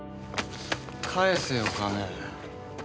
返せよ金。